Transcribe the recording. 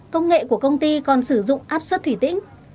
công nghệ của công ty còn sử dụng áp suất thủy tĩnh